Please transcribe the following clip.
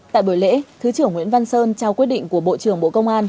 tại buổi lễ thứ trưởng nguyễn văn sơn trao quyết định của bộ trưởng bộ công an